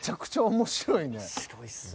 面白いよ。